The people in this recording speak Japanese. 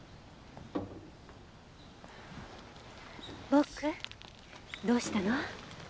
ボクどうしたの？